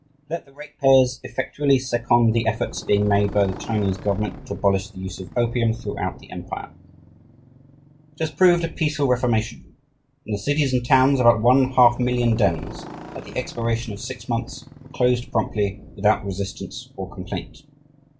Let the ratepayers effectually second the efforts being made by the Chinese government to abolish the use of opium throughout the empire. "It has proved a peaceful reformation. In the cities and towns about one half million dens, at the expiration of six months, were closed promptly without resistance or complaint.